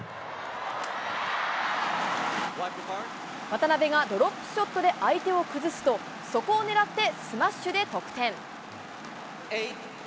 渡辺がドロップショットで相手を崩すと、そこを狙って、スマッシュで得点。